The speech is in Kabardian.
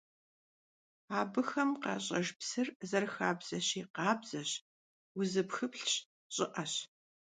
Abıxem khaş'ejj psır, zerıxabzeşi, khabzeş, vuzıpxıplhş, ş'ı'eş.